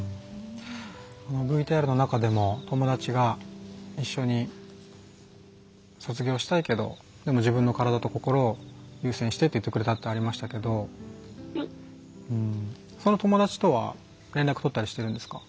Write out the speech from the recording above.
ＶＴＲの中でも友達が「一緒に卒業したいけどでも自分の体と心を優先して」って言ってくれたってありましたけどその友達とは連絡取ったりしてるんですか？